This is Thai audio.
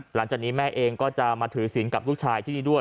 หลังจากนี้แม่เองก็จะมาถือศิลป์กับลูกชายที่นี่ด้วย